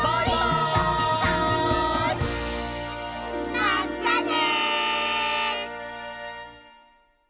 まったね！